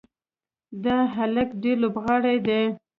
دا هلک ډېر لوبغاړی دی.